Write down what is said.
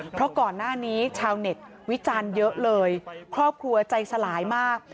เพราะก่อนหน้านี้ชาวเน็ตวิจารณ์เยอะเลยครอบครัวใจสลายมาก